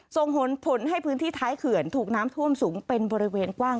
ส่งผลผลให้พื้นที่ท้ายเขื่อนถูกน้ำท่วมสูงเป็นบริเวณกว้าง